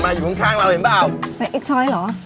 ไหนอยู่ไหน